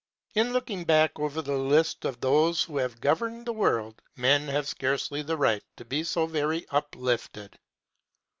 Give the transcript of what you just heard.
In looking back over the list of those who have governed the world, men have scarcely the right to be so very uplifted.